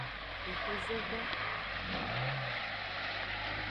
Exu zogbon.